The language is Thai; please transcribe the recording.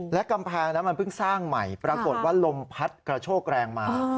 และกำแพงนั้นมันเพิ่งสร้างใหม่ปรากฏว่าลมพัดกระโชกแรงมา